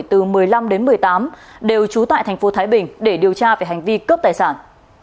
từ một mươi năm đến một mươi tám đều trú tại thành phố thái bình để điều tra về hành vi cướp tài sản